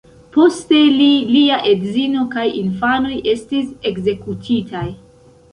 Poste li, lia edzino kaj infanoj estis ekzekutitaj.